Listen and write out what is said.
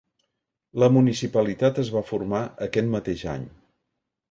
La municipalitat es va formar aquest mateix any.